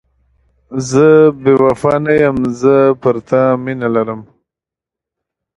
زه بې وفا نه یم، زه پر تا مینه لرم.